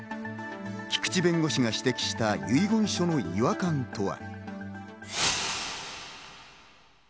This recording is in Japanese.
菊地弁護士が指摘した遺言書の違和感とは。